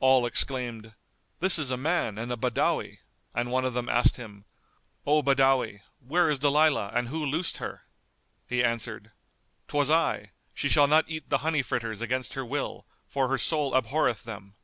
All exclaimed, "This is a man and a Badawi," and one of them asked him, "O Badawi, where is Dalilah and who loosed her?" He answered, "'Twas I; she shall not eat the honey fritters against her will; for her soul abhorreth them."